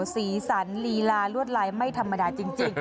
สีสันลีลาลวดลายไม่ธรรมดาจริง